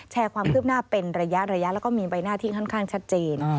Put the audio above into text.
ความคืบหน้าเป็นระยะแล้วก็มีใบหน้าที่ค่อนข้างชัดเจน